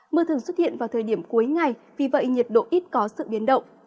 mưa thường xuất hiện vào thời điểm cuối ngày vì vậy nhiệt độ ít có sự biến động